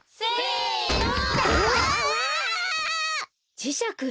じしゃく！